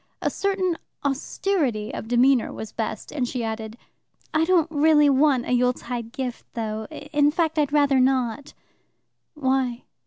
A certain austerity of demeanour was best, and she added: "I don't really want a Yuletide gift, though. In fact, I'd rather not." "Why?"